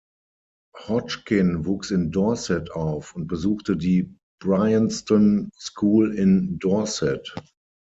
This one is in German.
Hodgkin wuchs in Dorset auf und besuchte die Bryanston School in Dorset.